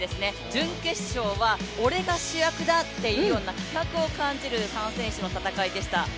準決勝は俺が主役だというような気迫を感じる３選手の戦いでした。